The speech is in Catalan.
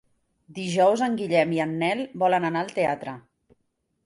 Dijous en Guillem i en Nel volen anar al teatre.